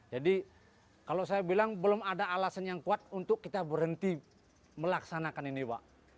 jadi kalau saya bilang belum ada alasan yang kuat untuk kita berhenti melaksanakan ini pak